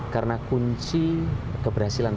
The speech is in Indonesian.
karena kunci keberhasilan